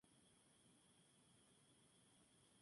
Shaw aparece de repente delante de los adolescentes.